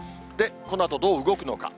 このあとどう動くのか。